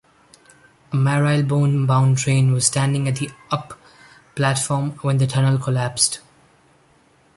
A Marylebone-bound train was standing at the "up" platform when the tunnel collapsed.